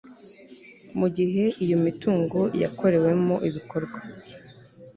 mu gihe iyo mitungo yakorewemo ibikorwa